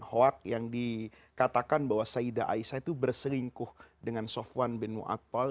hoak yang dikatakan bahwa sayyidah aisyah itu berselingkuh dengan sofwan bin mu'adwal